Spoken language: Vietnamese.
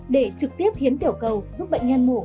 để trực tiếp hiến tiểu cầu giúp bệnh nhân mổ